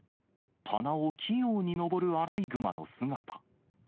棚を器用に登るアライグマの姿。